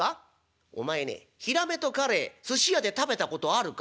「お前ねひらめとかれいすし屋で食べたことあるかい？」。